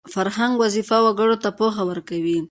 فرهنګ وظیفه وګړو ته پوهه ورکوي